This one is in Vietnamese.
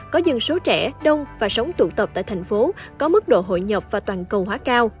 có dân số trẻ đông và sống tụ tập tại thành phố có mức độ hội nhập và toàn cầu hóa cao